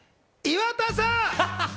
岩田さん！